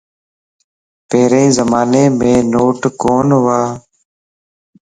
پھرين زمانيم نوٽ ڪون ھوا